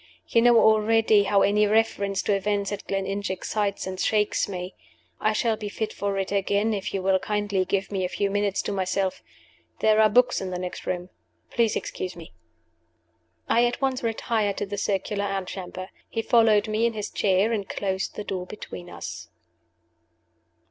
"You know already how any reference to events at Gleninch excites and shakes me. I shall be fit for it again, if you will kindly give me a few minutes to myself. There are books in the next room. Please excuse me." I at once retired to the circular antechamber. He followed me in his chair, and closed the door between us.